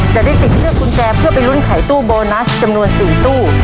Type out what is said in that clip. จะได้สิทธิ์เลือกกุญแจเพื่อไปลุ้นไขตู้โบนัสจำนวน๔ตู้